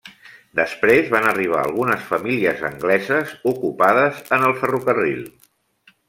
Després van arribar algunes famílies angleses, ocupades en el ferrocarril.